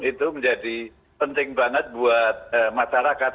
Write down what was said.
itu menjadi penting banget buat masyarakat